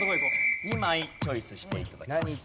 ２枚チョイスして頂きます。